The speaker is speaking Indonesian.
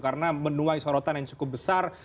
karena menuai sorotan yang cukup besar